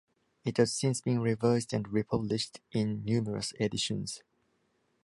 It has since been revised and republished in numerous editions.